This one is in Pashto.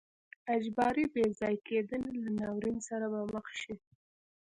اجباري بې ځای کېدنې له ناورین سره به مخ شي.